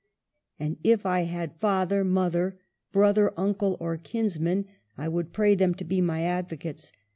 And if I had father, mother, brother, uncle, or kinsman, I would pray them to be my advocates.